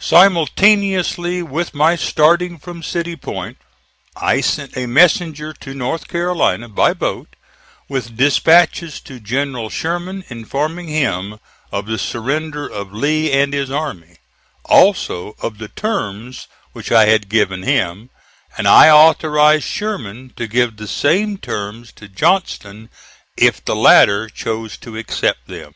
Simultaneously with my starting from City Point, I sent a messenger to North Carolina by boat with dispatches to General Sherman, informing him of the surrender of Lee and his army; also of the terms which I had given him; and I authorized Sherman to give the same terms to Johnston if the latter chose to accept them.